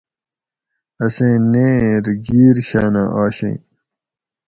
اسیں نیر گِیر شاۤنہ آشیں